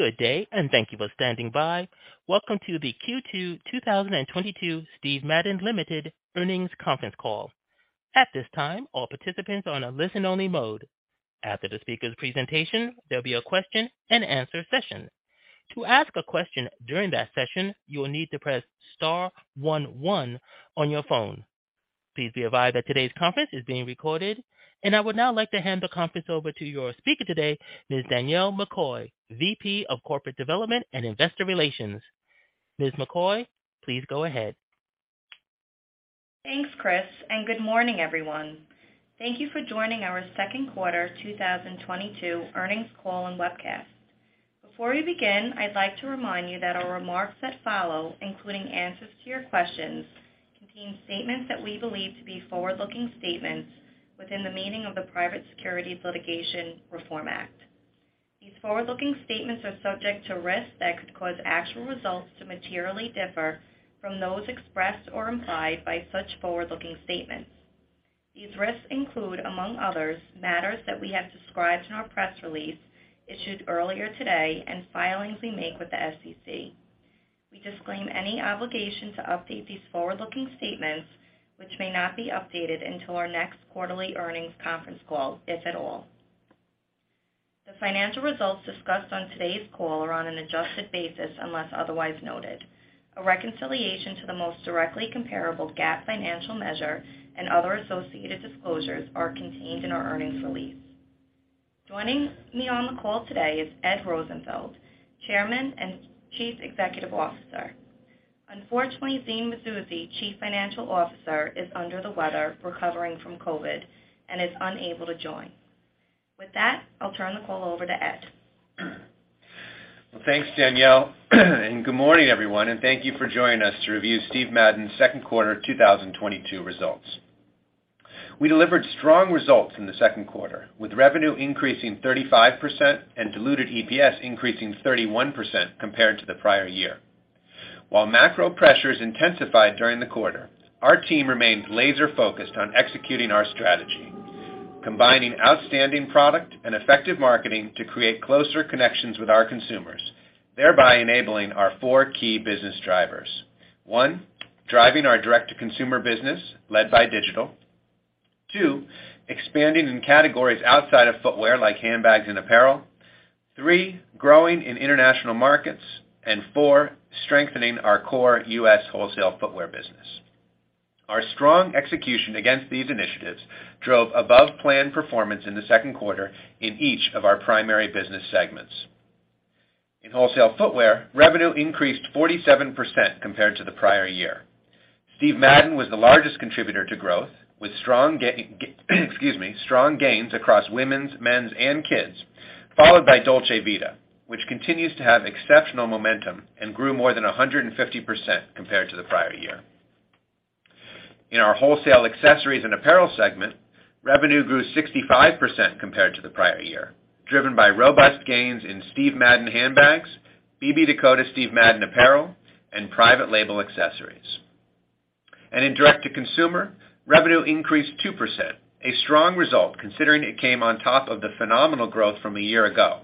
Good day, thank you for standing by. Welcome to the Q2 2022 Steven Madden, Ltd. Earnings Conference Call. At this time, all participants are on a listen only mode. After the speaker's presentation, there'll be a question and answer session. To ask a question during that session, you will need to press star one one on your phone. Please be advised that today's conference is being recorded. I would now like to hand the conference over to your speaker today, Ms. Danielle McCoy, VP of Corporate Development and Investor Relations. Ms. McCoy, please go ahead. Thanks, Chris, and good morning everyone. Thank you for joining our second quarter 2022 earnings call and webcast. Before we begin, I'd like to remind you that our remarks that follow, including answers to your questions, contain statements that we believe to be forward-looking statements within the meaning of the Private Securities Litigation Reform Act. These forward-looking statements are subject to risks that could cause actual results to materially differ from those expressed or implied by such forward-looking statements. These risks include, among others, matters that we have described in our press release issued earlier today and filings we make with the SEC. We disclaim any obligation to update these forward-looking statements, which may not be updated until our next quarterly earnings conference call, if at all. The financial results discussed on today's call are on an adjusted basis unless otherwise noted. A reconciliation to the most directly comparable GAAP financial measure and other associated disclosures are contained in our earnings release. Joining me on the call today is Ed Rosenfeld, Chairman and Chief Executive Officer. Unfortunately, Zine Mazouzi, Chief Financial Officer, is under the weather recovering from COVID and is unable to join. With that, I'll turn the call over to Ed. Well, thanks, Danielle, and good morning everyone and thank you for joining us to review Steve Madden's second quarter 2022 results. We delivered strong results in the second quarter, with revenue increasing 35% and diluted EPS increasing 31% compared to the prior year. While macro pressures intensified during the quarter, our team remained laser focused on executing our strategy, combining outstanding product and effective marketing to create closer connections with our consumers, thereby enabling our four key business drivers. One, driving our direct to consumer business led by digital. Two, expanding in categories outside of footwear like handbags and apparel. Three, growing in international markets. And four, strengthening our core U.S. wholesale footwear business. Our strong execution against these initiatives drove above plan performance in the second quarter in each of our primary business segments. In wholesale footwear, revenue increased 47% compared to the prior year. Steve Madden was the largest contributor to growth with strong gains across women's, men's, and kids, followed by Dolce Vita, which continues to have exceptional momentum and grew more than 150% compared to the prior year. In our wholesale accessories and apparel segment, revenue grew 65% compared to the prior year, driven by robust gains in Steve Madden handbags, BB Dakota Steve Madden apparel, and private label accessories. In direct to consumer, revenue increased 2%, a strong result considering it came on top of the phenomenal growth from a year ago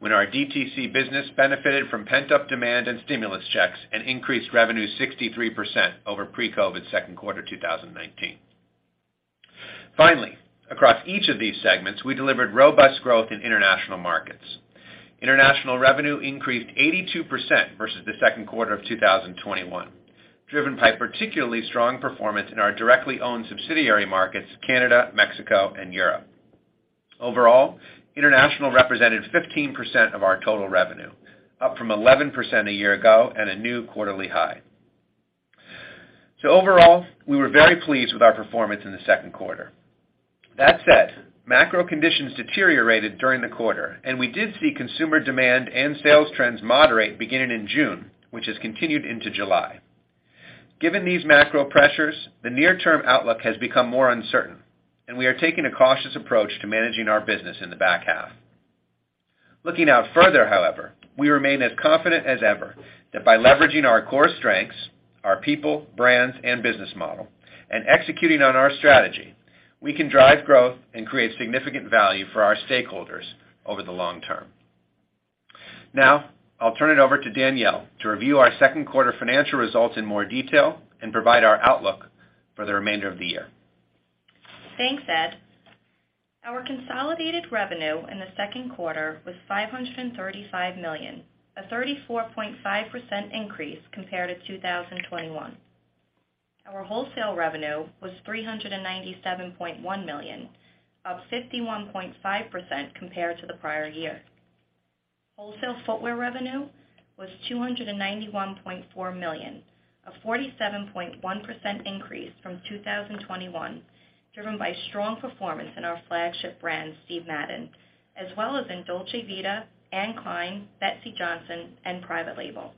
when our DTC business benefited from pent-up demand and stimulus checks and increased revenue 63% over pre-COVID second quarter 2019. Finally, across each of these segments, we delivered robust growth in international markets. International revenue increased 82% versus the second quarter of 2021, driven by particularly strong performance in our directly owned subsidiary markets, Canada, Mexico, and Europe. Overall, international represented 15% of our total revenue, up from 11% a year ago and a new quarterly high. Overall, we were very pleased with our performance in the second quarter. That said, macro conditions deteriorated during the quarter, and we did see consumer demand and sales trends moderate beginning in June, which has continued into July. Given these macro pressures, the near term outlook has become more uncertain, and we are taking a cautious approach to managing our business in the back half. Looking out further, however, we remain as confident as ever that by leveraging our core strengths, our people, brands, and business model, and executing on our strategy, we can drive growth and create significant value for our stakeholders over the long term. Now, I'll turn it over to Danielle to review our second quarter financial results in more detail and provide our outlook for the remainder of the year. Thanks, Ed. Our consolidated revenue in the second quarter was $535 million, a 34.5% increase compared to 2021. Our wholesale revenue was $397.1 million, up 51.5% compared to the prior year. Wholesale footwear revenue was $291.4 million, a 47.1% increase from 2021, driven by strong performance in our flagship brand, Steve Madden, as well as in Dolce Vita, Anne Klein, Betsey Johnson, and private label.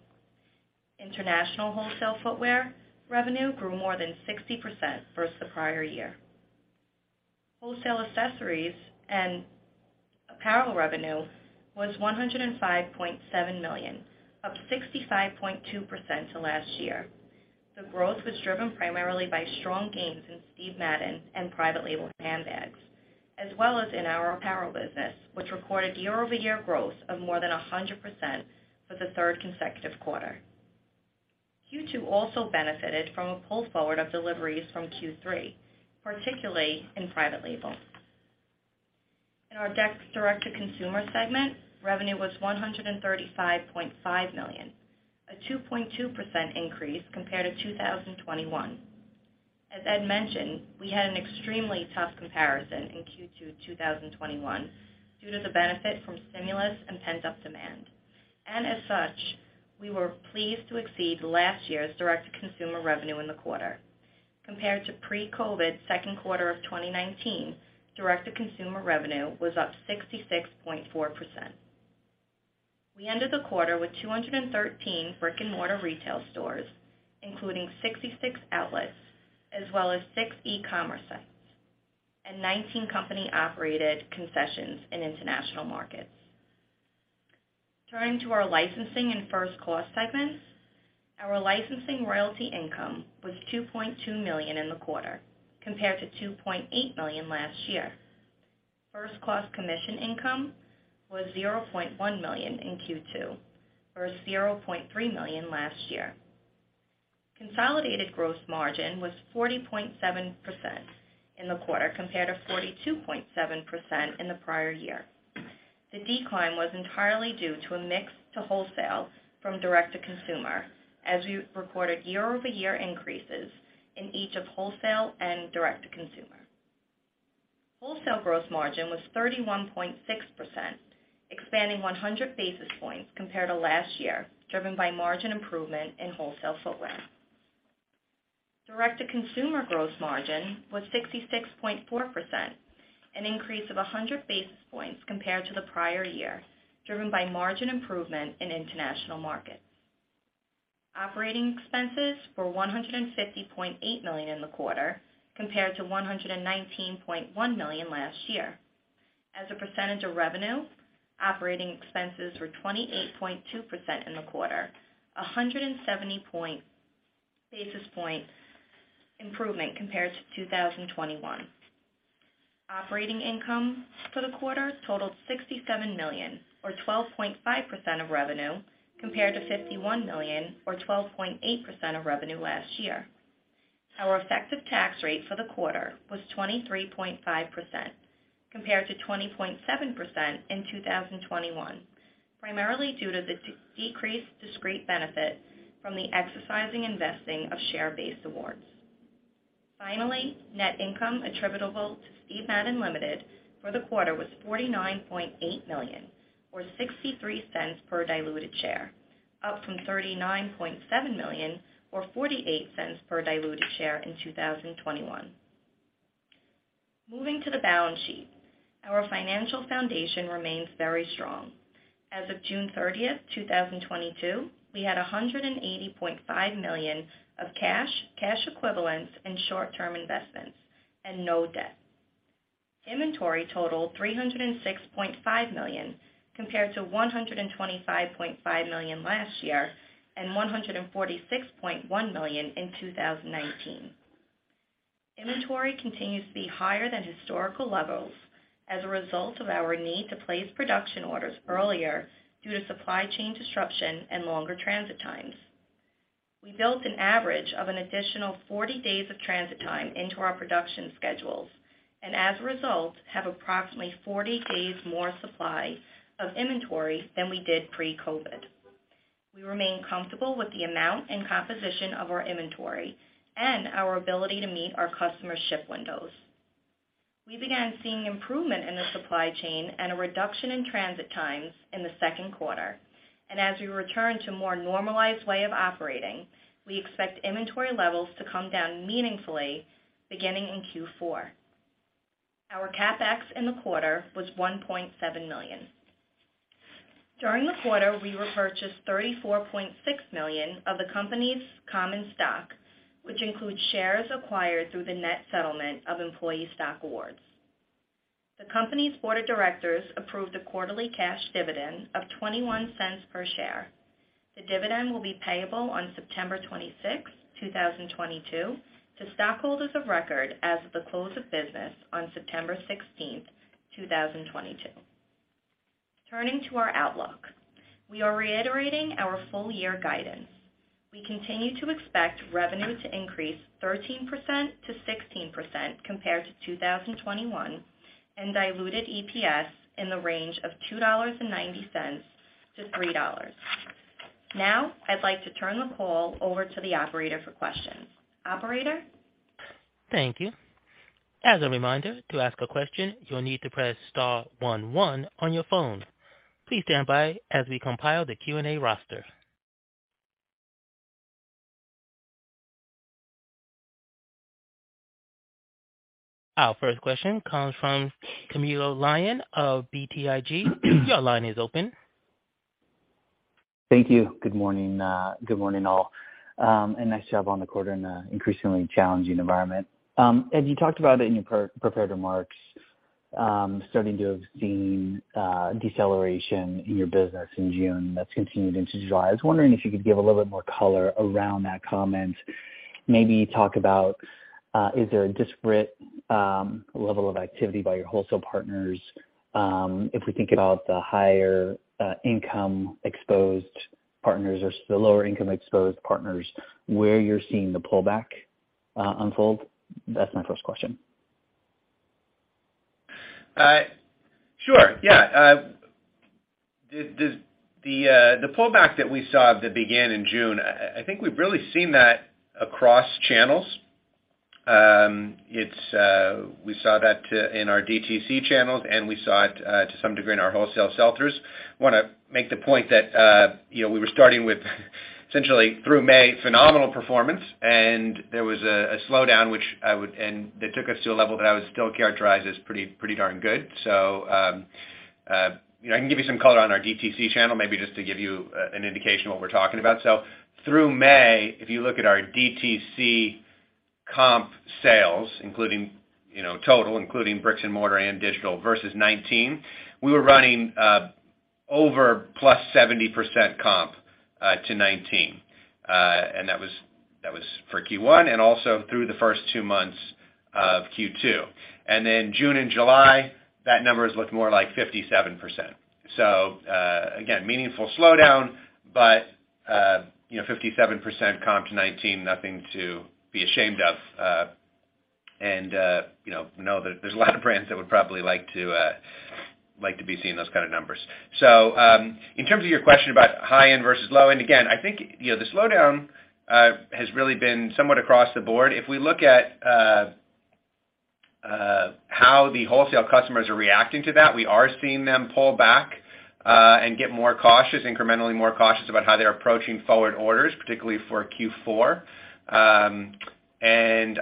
International wholesale footwear revenue grew more than 60% versus the prior year. Wholesale accessories and apparel revenue was $105.7 million, up 65.2% to last year. The growth was driven primarily by strong gains in Steve Madden and private label handbags, as well as in our apparel business, which recorded year-over-year growth of more than 100% for the third consecutive quarter. Q2 also benefited from a pull forward of deliveries from Q3, particularly in private label. In our DTC direct-to-consumer segment, revenue was $135.5 million, a 2.2% increase compared to 2021. As Ed mentioned, we had an extremely tough comparison in Q2 2021 due to the benefit from stimulus and pent-up demand. As such, we were pleased to exceed last year's direct-to-consumer revenue in the quarter. Compared to pre-COVID second quarter of 2019, direct-to-consumer revenue was up 66.4%. We ended the quarter with 213 brick-and-mortar retail stores, including 66 outlets as well as six e-commerce sites and 19 company-operated concessions in international markets. Turning to our licensing and First Cost segments. Our licensing royalty income was $2.2 million in the quarter compared to $2.8 million last year. First Cost commission income was $0.1 million in Q2, or $0.3 million last year. Consolidated gross margin was 40.7% in the quarter, compared to 42.7% in the prior year. The decline was entirely due to a mix to wholesale from direct-to-consumer as we recorded year-over-year increases in each of wholesale and direct-to-consumer. Wholesale gross margin was 31.6%, expanding 100 basis points compared to last year, driven by margin improvement in wholesale footwear. Direct-to-consumer gross margin was 66.4%, an increase of 100 basis points compared to the prior year, driven by margin improvement in international markets. Operating expenses were $150.8 million in the quarter, compared to $119.1 million last year. As a percentage of revenue, operating expenses were 28.2% in the quarter, 170 basis point improvement compared to 2021. Operating income for the quarter totaled $67 million or 12.5% of revenue, compared to $51 million or 12.8% of revenue last year. Our effective tax rate for the quarter was 23.5% compared to 20.7% in 2021, primarily due to the decreased discrete benefit from the exercise and vesting of share-based awards. Net income attributable to Steven Madden, Ltd. for the quarter was $49.8 million, or $0.63 per diluted share, up from $39.7 million, or $0.48 per diluted share in 2021. Moving to the balance sheet. Our financial foundation remains very strong. As of June 30th, 2022, we had $180.5 million of cash equivalents and short-term investments and no debt. Inventory totaled $306.5 million compared to $125.5 million last year and $146.1 million in 2019. Inventory continues to be higher than historical levels as a result of our need to place production orders earlier due to supply chain disruption and longer transit times. We built an average of an additional 40 days of transit time into our production schedules and as a result have approximately 40 days more supply of inventory than we did pre-COVID. We remain comfortable with the amount and composition of our inventory and our ability to meet our customers' ship windows. We began seeing improvement in the supply chain and a reduction in transit times in the second quarter. As we return to a more normalized way of operating, we expect inventory levels to come down meaningfully beginning in Q4. Our CapEx in the quarter was $1.7 million. During the quarter, we repurchased 34.6 million of the company's common stock, which includes shares acquired through the net settlement of employee stock awards. The company's board of directors approved a quarterly cash dividend of $0.21 per share. The dividend will be payable on September 26th, 2022, to stockholders of record as of the close of business on September 16th, 2022. Turning to our outlook, we are reiterating our full year guidance. We continue to expect revenue to increase 13%-16% compared to 2021 and diluted EPS in the range of $2.90-$3.00. Now, I'd like to turn the call over to the operator for questions. Operator? Thank you. As a reminder, to ask a question, you'll need to press star one one on your phone. Please stand by as we compile the Q&A roster. Our first question comes from Camilo Lyon of BTIG. Your line is open. Thank you. Good morning. Good morning, all. Nice job on the quarter in an increasingly challenging environment. Ed, you talked about it in your pre-prepared remarks. Starting to have seen deceleration in your business in June that's continued into July. I was wondering if you could give a little bit more color around that comment. Maybe talk about is there a disparate level of activity by your wholesale partners? If we think about the higher income exposed partners or the lower income exposed partners, where you're seeing the pullback unfold. That's my first question. Sure, yeah. The pullback that we saw that began in June, I think we've really seen that across channels. We saw that in our DTC channels, and we saw it to some degree in our wholesale sell-throughs. Wanna make the point that, you know, we were starting with essentially through May, phenomenal performance, and there was a slowdown, and that took us to a level that I would still characterize as pretty darn good. You know, I can give you some color on our DTC channel, maybe just to give you an indication of what we're talking about. Through May, if you look at our DTC comp sales, including, you know, total, including bricks and mortar and digital versus 2019, we were running over +70% comp to 2019. That was for Q1 and also through the first two months of Q2. June and July, that number has looked more like 57%. Again, meaningful slowdown, but, you know, 57% comp to 2019, nothing to be ashamed of. You know that there's a lot of brands that would probably like to like to be seeing those kind of numbers. In terms of your question about high end versus low end, again, I think, you know, the slowdown has really been somewhat across the board. If we look at how the wholesale customers are reacting to that, we are seeing them pull back and get more cautious, incrementally more cautious about how they're approaching forward orders, particularly for Q4.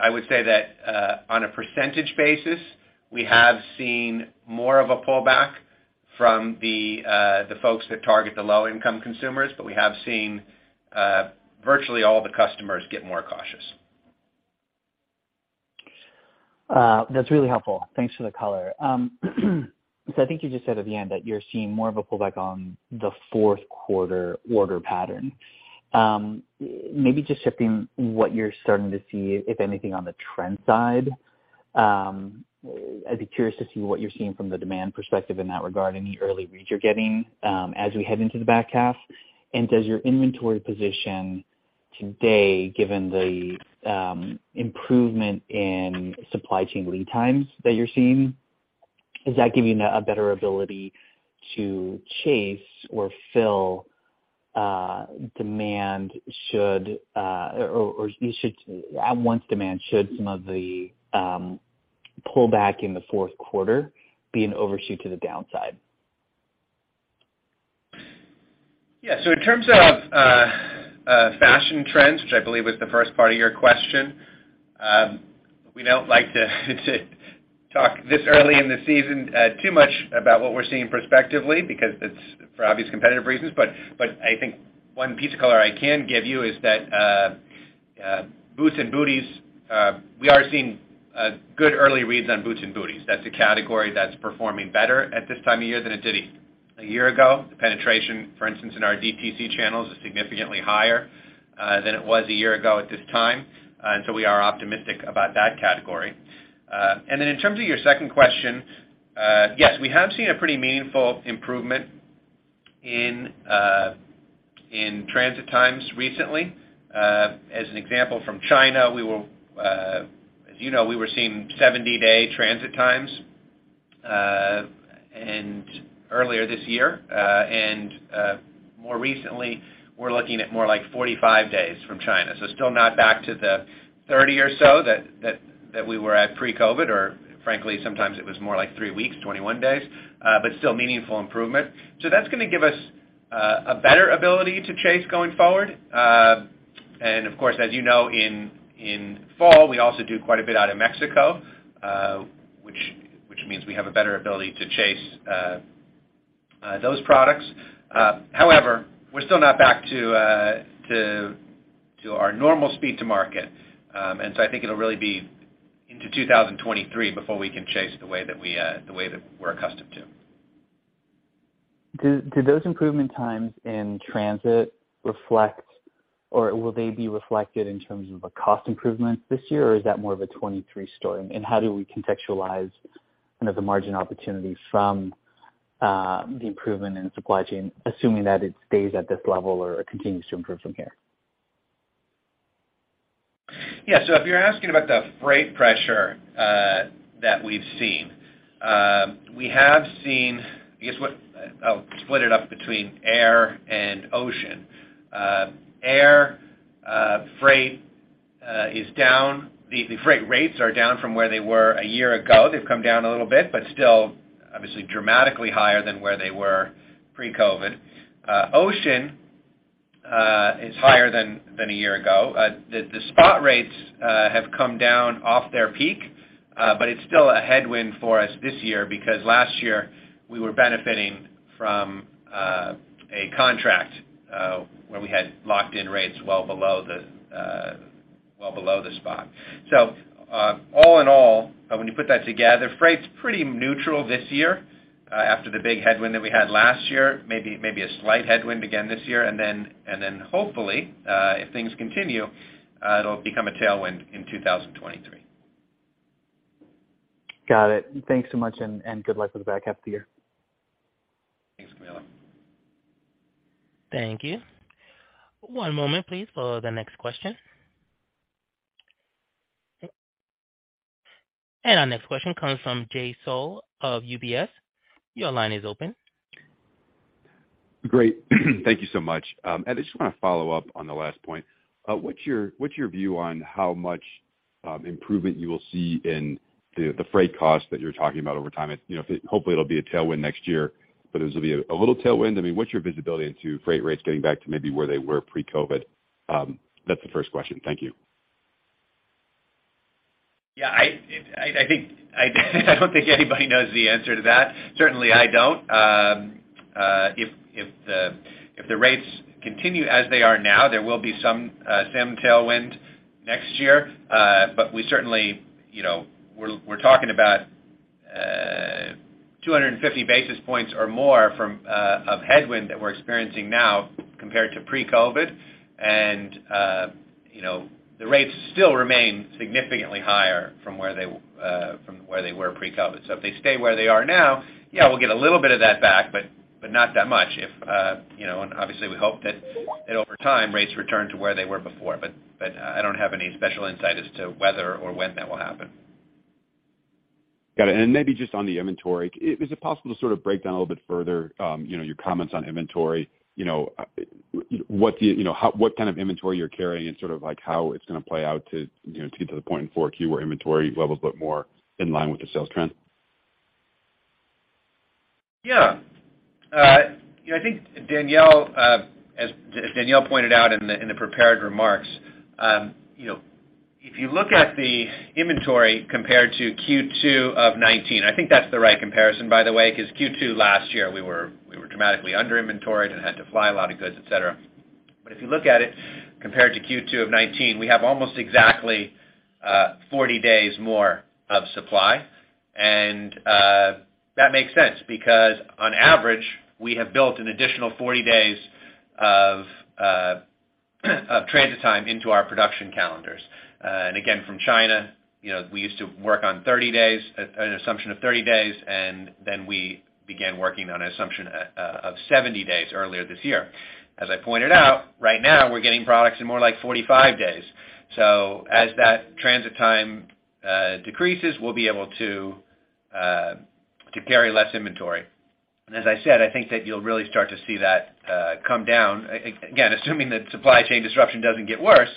I would say that on a percentage basis, we have seen more of a pullback from the folks that target the low-income consumers, but we have seen virtually all the customers get more cautious. That's really helpful. Thanks for the color. I think you just said at the end that you're seeing more of a pullback on the fourth quarter order pattern. Maybe just shifting what you're starting to see, if anything, on the trend side. I'd be curious to see what you're seeing from the demand perspective in that regard, any early reads you're getting, as we head into the back half. Does your inventory position today, given the improvement in supply chain lead times that you're seeing, give you a better ability to chase or fill demand should some of the pullback in the fourth quarter be an overshoot to the downside? Yeah. In terms of fashion trends, which I believe was the first part of your question, we don't like to talk this early in the season too much about what we're seeing prospectively because it's for obvious competitive reasons. I think one piece of color I can give you is that boots and booties we are seeing good early reads on boots and booties. That's a category that's performing better at this time of year than it did a year ago. The penetration, for instance, in our DTC channels is significantly higher than it was a year ago at this time. We are optimistic about that category. In terms of your second question, yes, we have seen a pretty meaningful improvement in transit times recently. As an example from China, as you know, we were seeing 70-day transit times and earlier this year. More recently, we're looking at more like 45 days from China. Still not back to the 30 or so that we were at pre-COVID, or frankly, sometimes it was more like three weeks, 21 days, but still meaningful improvement. That's gonna give us a better ability to chase going forward. Of course, as you know, in fall, we also do quite a bit out of Mexico, which means we have a better ability to chase those products. However, we're still not back to our normal speed to market. I think it'll really be into 2023 before we can chase the way that we're accustomed to. Do those improved transit times reflect, or will they be reflected in terms of a cost improvement this year, or is that more of a 2023 story? How do we contextualize, you know, the margin opportunity from the improvement in supply chain, assuming that it stays at this level or continues to improve from here? Yeah. If you're asking about the freight pressure that we've seen, I guess I'll split it up between air and ocean. Air freight is down. The freight rates are down from where they were a year ago. They've come down a little bit, but still obviously dramatically higher than where they were pre-COVID. Ocean is higher than a year ago. The spot rates have come down off their peak, but it's still a headwind for us this year because last year we were benefiting from a contract where we had locked in rates well below the spot. All in all, when you put that together, freight's pretty neutral this year, after the big headwind that we had last year, maybe a slight headwind again this year. Hopefully, if things continue, it'll become a tailwind in 2023. Got it. Thanks so much, and good luck with the back half of the year. Thanks, Camilo. Thank you. One moment please for the next question. Our next question comes from Jay Sole of UBS. Your line is open. Great. Thank you so much. Ed, I just wanna follow up on the last point. What's your view on how much improvement you will see in the freight cost that you're talking about over time? You know, hopefully it'll be a tailwind next year, but this'll be a little tailwind. I mean, what's your visibility into freight rates getting back to maybe where they were pre-COVID? That's the first question. Thank you. Yeah, I don't think anybody knows the answer to that. Certainly I don't. If the rates continue as they are now, there will be some tailwind next year. We certainly, you know, we're talking about 250 basis points or more of headwind that we're experiencing now compared to pre-COVID. You know, the rates still remain significantly higher than where they were pre-COVID. If they stay where they are now, yeah, we'll get a little bit of that back, but not that much. You know, obviously we hope that over time rates return to where they were before, but I don't have any special insight as to whether or when that will happen. Got it. Maybe just on the inventory, is it possible to sort of break down a little bit further, you know, your comments on inventory? You know, what kind of inventory you're carrying and sort of like how it's gonna play out to, you know, to get to the point in 4Q where inventory levels look more in line with the sales trends. Yeah. You know, I think Danielle, as Danielle pointed out in the prepared remarks, you know, if you look at the inventory compared to Q2 of 2019, I think that's the right comparison by the way, 'cause Q2 last year we were dramatically under inventoried and had to fly a lot of goods, et cetera. If you look at it compared to Q2 of 2019, we have almost exactly 40 days more of supply. That makes sense because on average we have built an additional 40 days of transit time into our production calendars. Again, from China, you know, we used to work on 30 days, an assumption of 30 days, and then we began working on an assumption of 70 days earlier this year. As I pointed out, right now we're getting products in more like 45 days. As that transit time decreases, we'll be able to carry less inventory. As I said, I think that you'll really start to see that come down again, assuming that supply chain disruption doesn't get worse.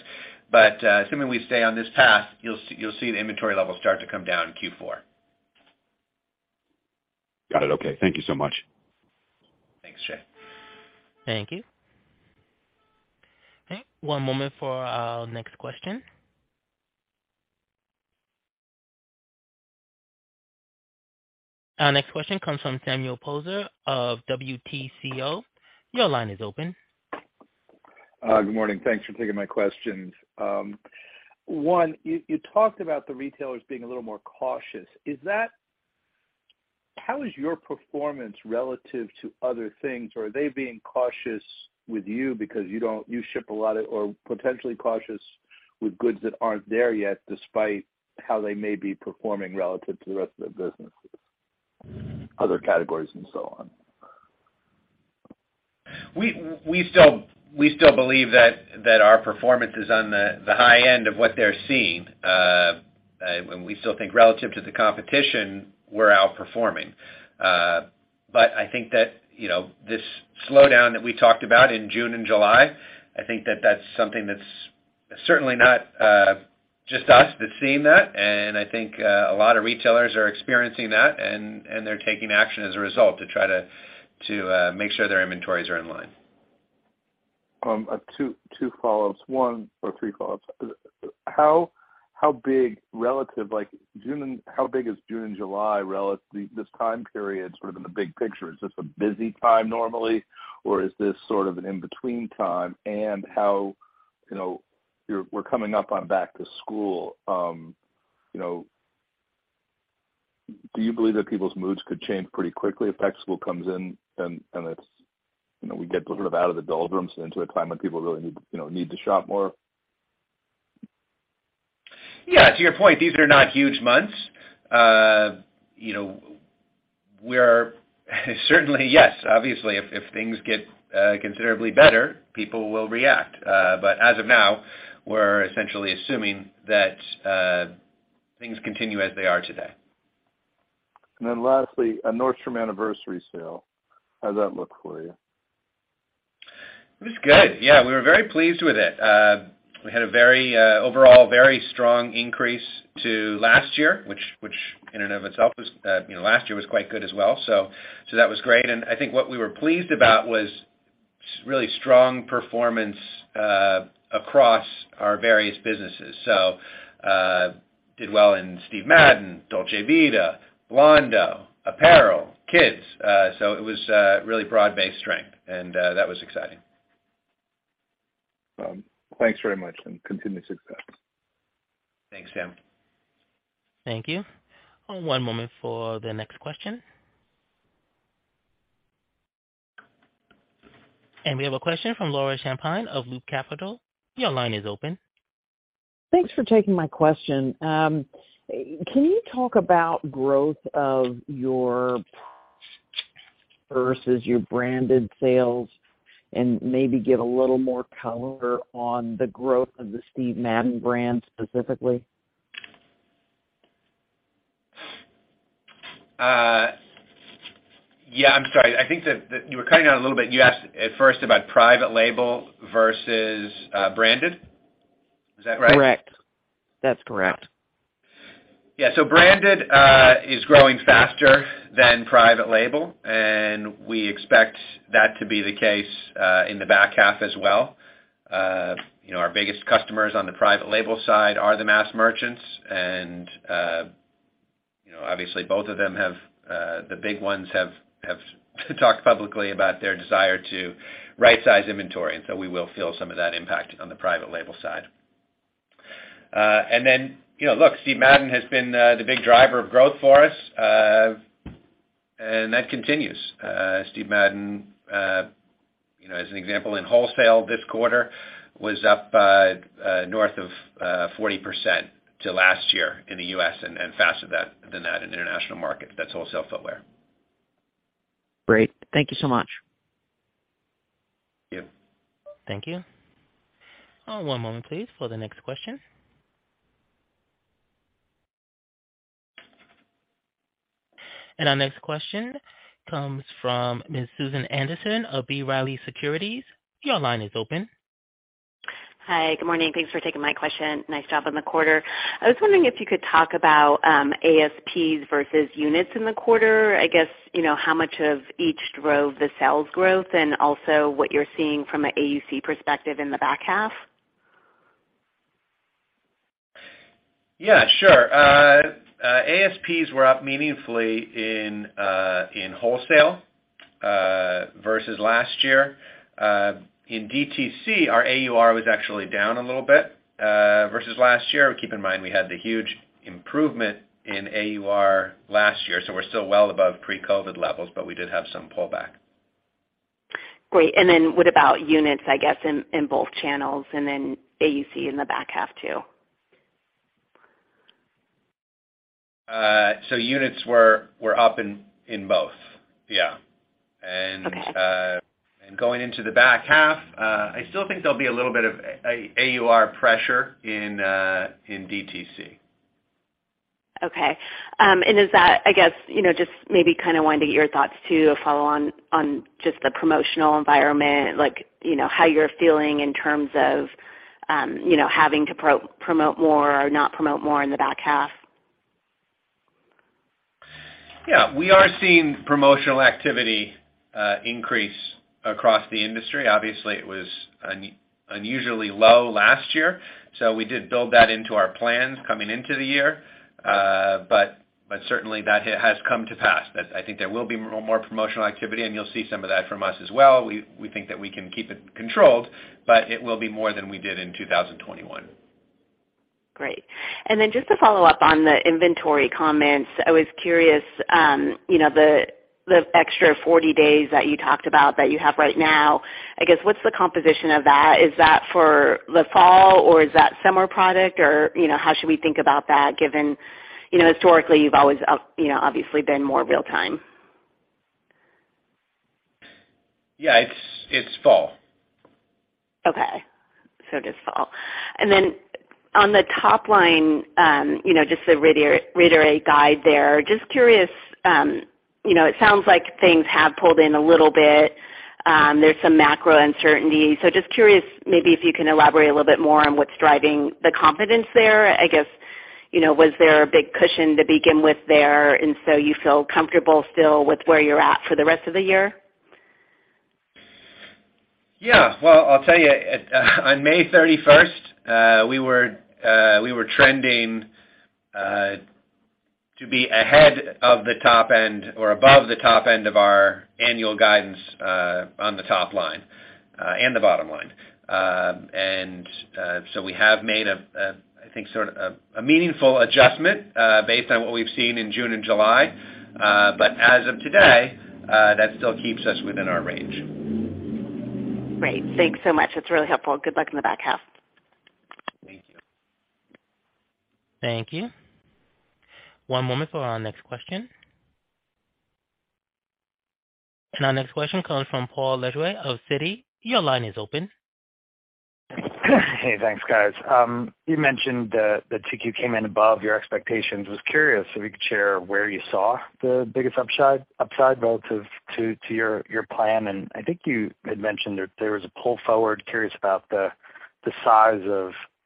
Assuming we stay on this path, you'll see the inventory levels start to come down in Q4. Got it. Okay, thank you so much. Thanks, Jay. Thank you. Okay, one moment for our next question. Our next question comes from Samuel Poser of Williams Trading. Your line is open. Good morning. Thanks for taking my questions. One, you talked about the retailers being a little more cautious. How is your performance relative to other things? Or are they being cautious with you? Or potentially cautious with goods that aren't there yet despite how they may be performing relative to the rest of the business, other categories and so on? We still believe that our performance is on the high end of what they're seeing. We still think relative to the competition, we're outperforming. I think that, you know, this slowdown that we talked about in June and July. I think that's something that's certainly not just us that's seeing that. I think a lot of retailers are experiencing that and they're taking action as a result to try to make sure their inventories are in line. two follow-ups. Or three follow-ups. How big is June and July this time period sort of in the big picture? Is this a busy time normally, or is this sort of an in-between time? How, you know, we're coming up on back to school. You know, do you believe that people's moods could change pretty quickly if back to school comes in and it's, you know, we get sort of out of the doldrums into a time when people really need to shop more? Yeah, to your point, these are not huge months. You know, we are certainly, yes, obviously, if things get considerably better, people will react. As of now, we're essentially assuming that things continue as they are today. Lastly, a Nordstrom anniversary sale, how does that look for you? It was good. Yeah, we were very pleased with it. We had a very overall very strong increase to last year, which in and of itself was, you know, last year was quite good as well. That was great. I think what we were pleased about was really strong performance across our various businesses. We did well in Steve Madden, Dolce Vita, Blondo, apparel, kids. It was really broad-based strength, and that was exciting. Thanks very much, and continued success. Thanks, Sam. Thank you. One moment for the next question. We have a question from Laura Champine of Loop Capital. Your line is open. Thanks for taking my question. Can you talk about growth of your versus your branded sales and maybe give a little more color on the growth of the Steve Madden brand specifically? Yeah, I'm sorry. I think that you were cutting out a little bit. You asked at first about private label versus branded. Is that right? Correct. That's correct. Yeah. Branded is growing faster than private label, and we expect that to be the case in the back half as well. You know, our biggest customers on the private label side are the mass merchants, and you know, obviously both of them have, the big ones have talked publicly about their desire to right-size inventory, and so we will feel some of that impact on the private label side. You know, look, Steve Madden has been the big driver of growth for us, and that continues. Steve Madden, you know, as an example in wholesale this quarter was up north of 40% to last year in the U.S. and faster than that in international markets. That's wholesale footwear. Great. Thank you so much. Yeah. Thank you. One moment, please, for the next question. Our next question comes from Ms. Susan Anderson of B. Riley Securities. Your line is open. Hi. Good morning. Thanks for taking my question. Nice job on the quarter. I was wondering if you could talk about ASPs versus units in the quarter. I guess, you know, how much of each drove the sales growth and also what you're seeing from a AUC perspective in the back half. Yeah, sure. ASPs were up meaningfully in wholesale versus last year. In DTC, our AUR was actually down a little bit versus last year. Keep in mind, we had the huge improvement in AUR last year, so we're still well above pre-COVID levels, but we did have some pullback. Great. What about units, I guess, in both channels and then AUC in the back half too? Units were up in both. Yeah. Okay. Going into the back half, I still think there'll be a little bit of AUR pressure in DTC. Okay. I guess, you know, just maybe kinda wanted to get your thoughts to follow on just the promotional environment, like, you know, how you're feeling in terms of, you know, having to promote more or not promote more in the back half. Yeah. We are seeing promotional activity increase across the industry. Obviously, it was unusually low last year, so we did build that into our plans coming into the year. Certainly that has come to pass. I think there will be more promotional activity, and you'll see some of that from us as well. We think that we can keep it controlled, but it will be more than we did in 2021. Great. Just to follow up on the inventory comments, I was curious, you know, the extra 40 days that you talked about that you have right now, I guess, what's the composition of that? Is that for the fall, or is that summer product? Or, you know, how should we think about that given, you know, historically, you've always up, you know, obviously been more real time? Yeah, it's fall. Okay. Just fall. On the top line, you know, just to reiterate guidance there, just curious, you know, it sounds like things have pulled in a little bit. There's some macro uncertainty. Just curious, maybe if you can elaborate a little bit more on what's driving the confidence there. I guess, you know, was there a big cushion to begin with there, and so you feel comfortable still with where you're at for the rest of the year? Yeah. Well, I'll tell you, on May thirty-first, we were trending to be ahead of the top end or above the top end of our annual guidance, on the top line, and the bottom line. We have made a, I think, sort of, a meaningful adjustment, based on what we've seen in June and July. As of today, that still keeps us within our range. Great. Thanks so much. That's really helpful. Good luck in the back half. Thank you. Thank you. One moment for our next question. Our next question comes from Paul Lejuez of Citi. Your line is open. Hey, thanks, guys. You mentioned that the 2Q came in above your expectations. I was curious if you could share where you saw the biggest upside relative to your plan. I think you had mentioned there was a pull forward. Curious about the size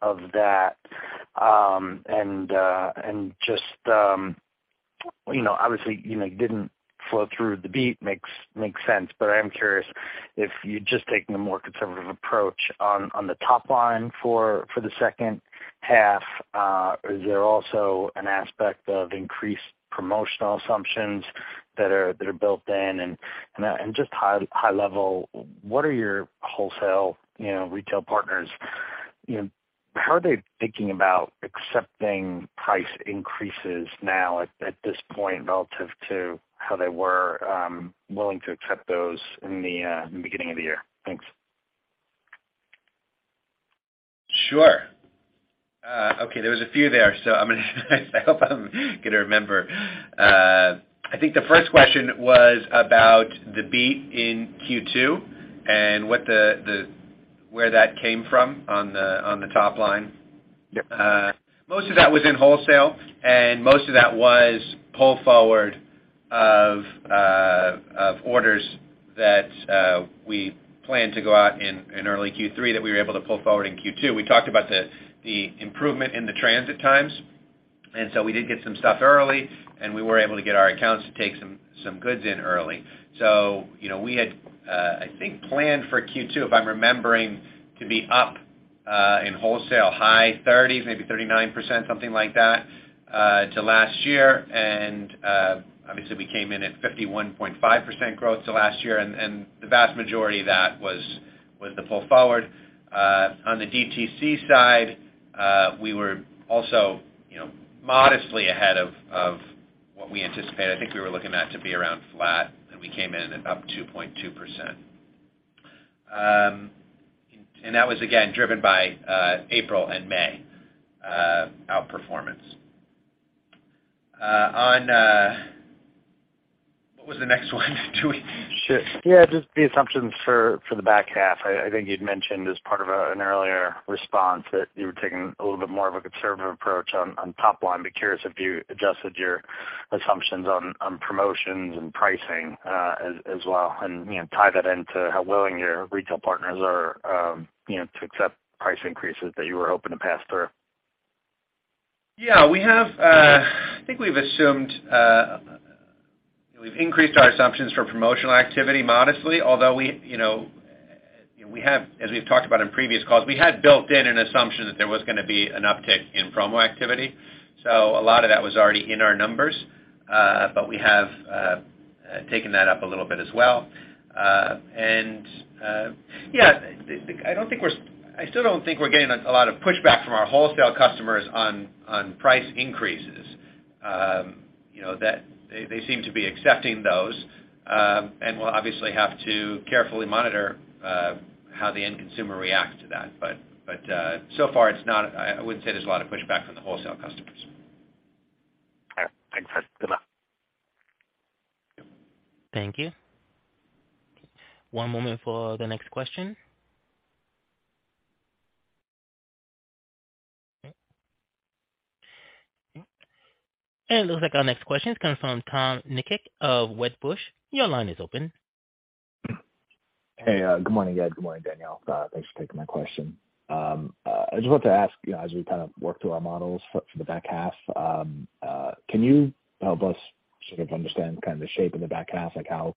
of that. You know, obviously, you know, it didn't flow through the beat. Makes sense, but I am curious. If you're just taking a more conservative approach on the top line for the second half, is there also an aspect of increased promotional assumptions that are built in? Just high level, what are your wholesale, you know, retail partners, you know, how are they thinking about accepting price increases now at this point, relative to how they were willing to accept those in the beginning of the year? Thanks. Sure. Okay, there was a few there, so I hope I'm gonna remember. I think the first question was about the beat in Q2 and where that came from on the top line. Yep. Most of that was in wholesale, and most of that was pull forward of orders that we planned to go out in early Q3 that we were able to pull forward in Q2. We talked about the improvement in the transit times. We did get some stuff early, and we were able to get our accounts to take some goods in early. You know, we had, I think, planned for Q2, if I'm remembering, to be up in wholesale high 30s, maybe 39%, something like that, to last year. Obviously we came in at 51.5% growth to last year, and the vast majority of that was the pull forward. On the DTC side, we were also, you know, modestly ahead of what we anticipated. I think we were looking at to be around flat, and we came in at up 2.2%. That was again driven by April and May outperformance. What was the next one? Sure. Yeah, just the assumptions for the back half. I think you'd mentioned as part of an earlier response that you were taking a little bit more of a conservative approach on top line. Be curious if you adjusted your assumptions on promotions and pricing as well, and you know, tie that into how willing your retail partners are, you know, to accept price increases that you were hoping to pass through. Yeah, I think we've increased our assumptions for promotional activity modestly. Although we, you know, as we've talked about in previous calls, we had built in an assumption that there was gonna be an uptick in promo activity, so a lot of that was already in our numbers. But we have taken that up a little bit as well. Yeah, I still don't think we're getting a lot of pushback from our wholesale customers on price increases. You know, they seem to be accepting those. And we'll obviously have to carefully monitor how the end consumer reacts to that, but so far it's not. I wouldn't say there's a lot of pushback from the wholesale customers. All right. Thanks, Ed. Good luck. Thank you. One moment for the next question. It looks like our next question comes from Tom Nikic of Wedbush. Your line is open. Hey, good morning, Ed. Good morning, Danielle. Thanks for taking my question. I just want to ask you, as we kind of work through our models for the back half, can you help us sort of understand kind of the shape of the back half? Like how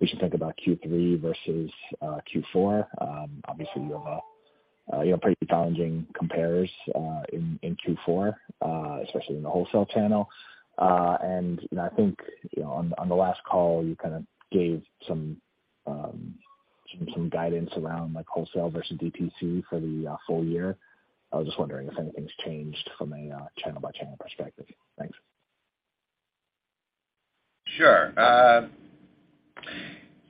we should think about Q3 versus Q4? Obviously you have, you know, pretty challenging compares in Q4, especially in the wholesale channel. I think, you know, on the last call, you kind of gave some guidance around like wholesale versus DTC for the full year. I was just wondering if anything's changed from a channel by channel perspective. Thanks. Sure. Yeah,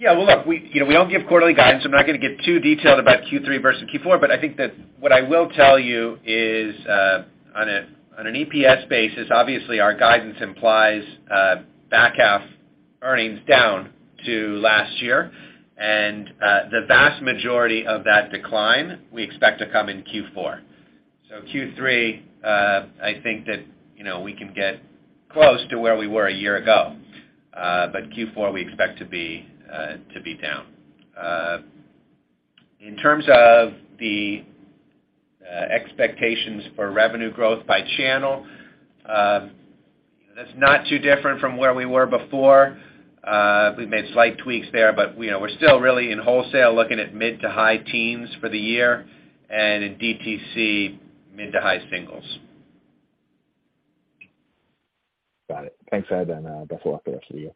well, look, you know, we don't give quarterly guidance, so I'm not gonna get too detailed about Q3 versus Q4, but I think that what I will tell you is, on an EPS basis, obviously our guidance implies back half earnings down from last year. The vast majority of that decline we expect to come in Q4. Q3, I think that, you know, we can get close to where we were a year ago, but Q4 we expect to be down. In terms of expectations for revenue growth by channel, that's not too different from where we were before. We've made slight tweaks there, but, you know, we're still really in wholesale, looking at mid- to high-teens% for the year and in DTC mid- to high-singles%. Got it. Thanks, Ed, and best of luck the rest of the year.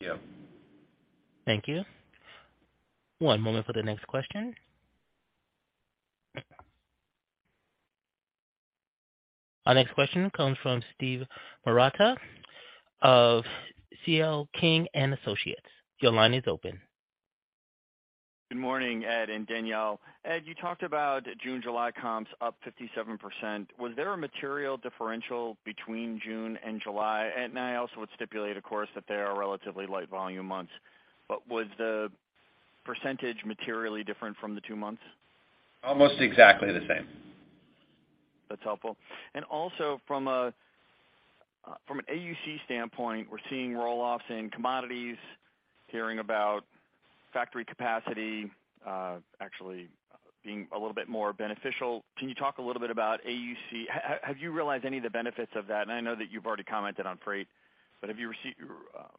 Yeah. Thank you. One moment for the next question. Our next question comes from Steve Marotta of CL King & Associates. Your line is open. Good morning, Ed and Danielle. Ed, you talked about June, July comps up 57%. Was there a material differential between June and July? I also would stipulate, of course, that they are relatively light volume months, but was the percentage materially different from the two months? Almost exactly the same. That's helpful. Also from an AUC standpoint, we're seeing roll-offs in commodities, hearing about factory capacity, actually. Being a little bit more beneficial, can you talk a little bit about AUC? Have you realized any of the benefits of that? I know that you've already commented on freight, but have you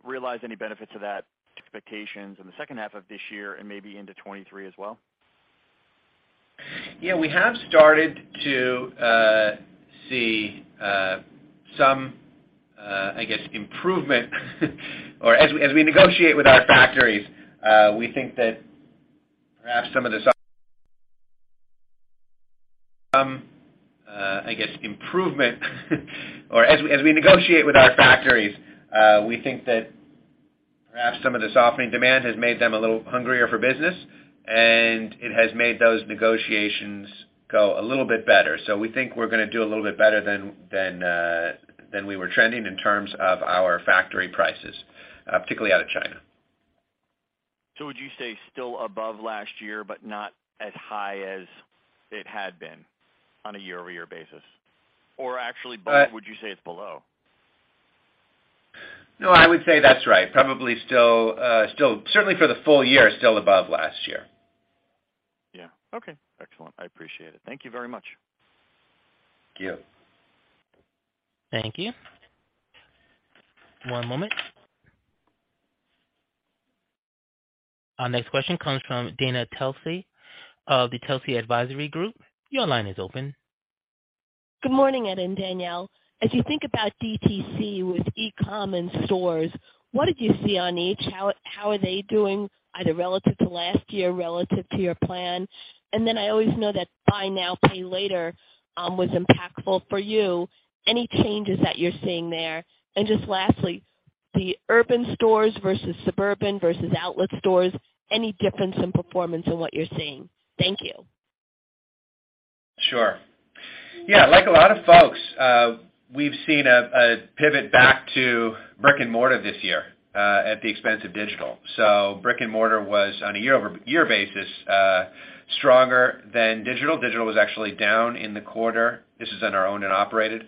realized any benefits of that expectations in the second half of this year and maybe into 2023 as well? Yeah, we have started to see some, I guess, improvement as we negotiate with our factories. We think that perhaps some of the softening demand has made them a little hungrier for business, and it has made those negotiations go a little bit better. We think we're gonna do a little bit better than we were trending in terms of our factory prices, particularly out of China. Would you say still above last year, but not as high as it had been on a year-over-year basis? Actually below, would you say it's below? No, I would say that's right. Probably still, certainly for the full year, still above last year. Yeah. Okay. Excellent. I appreciate it. Thank you very much. Thank you. Thank you. One moment. Our next question comes from Dana Telsey of the Telsey Advisory Group. Your line is open. Good morning, Ed and Danielle. As you think about DTC with e-com and stores, what did you see on each? How are they doing either relative to last year, relative to your plan? I always know that buy now, pay later was impactful for you. Any changes that you're seeing there? Just lastly, the urban stores versus suburban versus outlet stores, any difference in performance in what you're seeing? Thank you. Sure. Yeah. Like a lot of folks, we've seen a pivot back to brick-and-mortar this year, at the expense of digital. Brick-and-mortar was, on a year-over-year basis, stronger than digital. Digital was actually down in the quarter. This is in our owned and operated,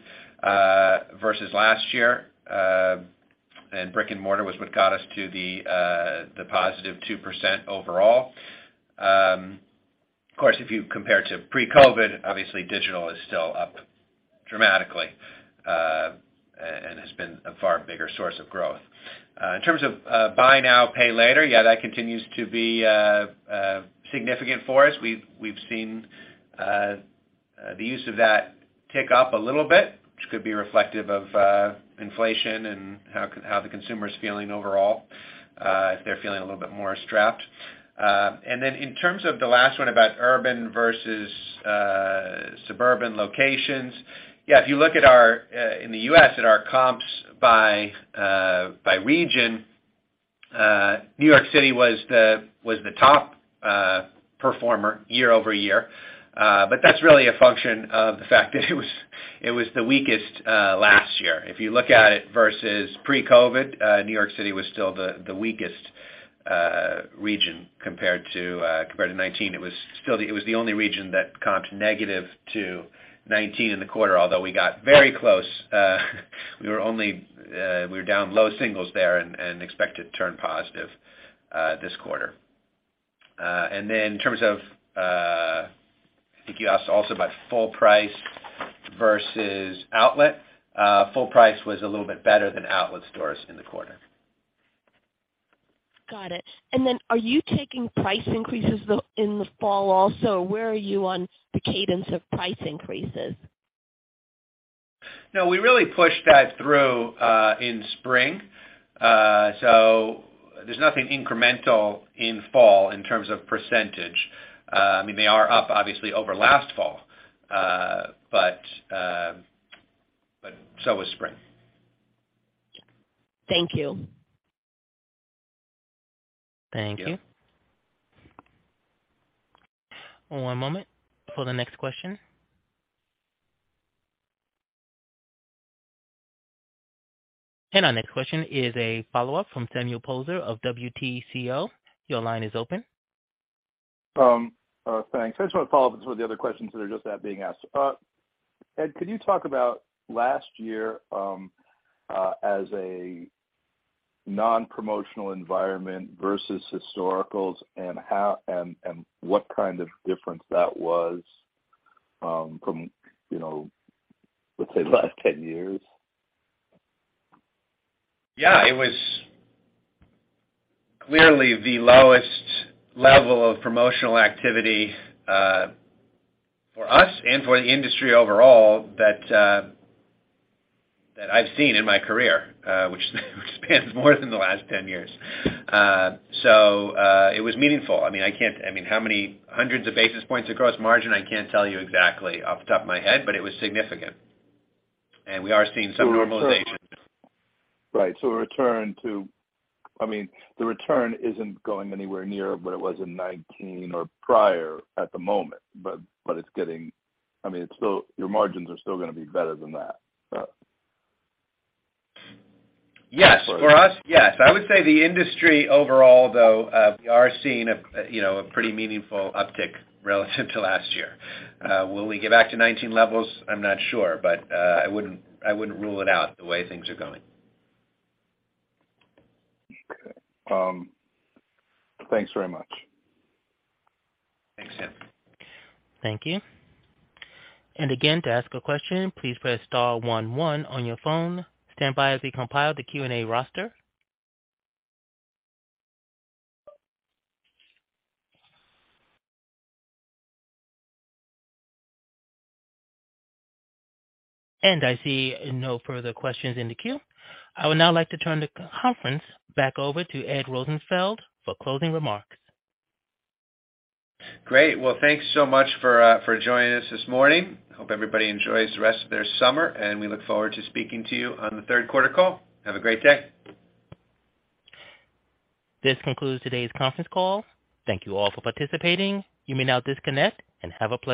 versus last year. Brick-and-mortar was what got us to the positive 2% overall. Of course, if you compare to pre-COVID, obviously digital is still up dramatically, and has been a far bigger source of growth. In terms of buy now, pay later, yeah, that continues to be significant for us. We've seen the use of that tick up a little bit, which could be reflective of inflation and how the consumer is feeling overall, if they're feeling a little bit more strapped. In terms of the last one about urban versus suburban locations, yeah, if you look at our in the U.S., at our comps by region, New York City was the top performer year-over-year, but that's really a function of the fact that it was the weakest last year. If you look at it versus pre-COVID, New York City was still the weakest region compared to 2019. It was still the only region that comped negative to 2019 in the quarter. Although we got very close, we were only down low singles there and expect to turn positive this quarter. In terms of, I think you asked also about full price versus outlet. Full price was a little bit better than outlet stores in the quarter. Got it. Are you taking price increases in the fall also? Where are you on the cadence of price increases? No, we really pushed that through in spring. There's nothing incremental in fall in terms of percentage. I mean, they are up obviously over last fall. So was spring. Thank you. Thank you. One moment for the next question. Our next question is a follow-up from Samuel Poser of Williams Trading. Your line is open. Thanks. I just wanna follow up with some of the other questions that are just being asked. Ed, could you talk about last year as a non-promotional environment versus historicals and how and what kind of difference that was from, you know, let's say last 10 years? Yeah. It was clearly the lowest level of promotional activity for us and for the industry overall that I've seen in my career, which spans more than the last 10 years. It was meaningful. I mean, how many hundreds of basis points across margin? I can't tell you exactly off the top of my head, but it was significant. We are seeing some normalization. Right. I mean, the return isn't going anywhere near what it was in 2019 or prior at the moment, but I mean, it's still, your margins are still gonna be better than that, so. Yes. For us, yes. I would say the industry overall, though, we are seeing you know a pretty meaningful uptick relative to last year. Will we get back to 2019 levels? I'm not sure, but I wouldn't rule it out the way things are going. Okay. Thanks very much. Thanks, Sam. Thank you. Again, to ask a question, please press star one one on your phone. Stand by as we compile the Q&A roster. I see no further questions in the queue. I would now like to turn the conference back over to Edward Rosenfeld for closing remarks. Great. Well, thanks so much for joining us this morning. Hope everybody enjoys the rest of their summer, and we look forward to speaking to you on the third quarter call. Have a great day. This concludes today's conference call. Thank you all for participating. You may now disconnect and have a pleasant day.